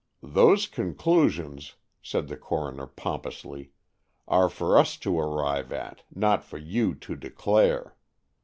"Those conclusions," said the coroner pompously, "are for us to arrive at, not for you to declare.